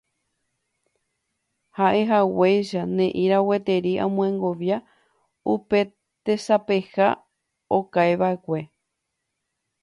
Ha'ehaguéicha ne'írã gueteri amyengovia upe tesapeha okaiva'ekue.